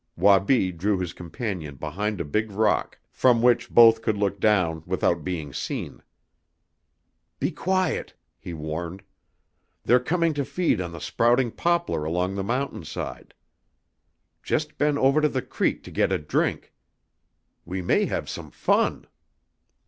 Wabi drew his companion behind a big rock, from which both could look down without being seen. "Be quiet!" he warned. "They're coming to feed on the sprouting poplar along the mountain side. Just been over to the creek to get a drink. We may have some fun!"